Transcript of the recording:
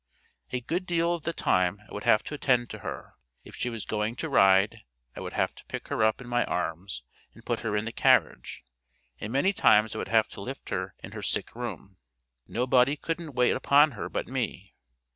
A good deal of the time I would have to attend to her. If she was going to ride, I would have to pick her up in my arms and put her in the carriage, and many times I would have to lift her in her sick room. No body couldn't wait upon her but me.